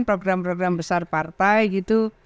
program program besar partai gitu